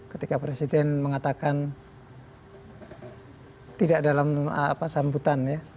ketika presiden mengatakan tidak dalam sambutan ya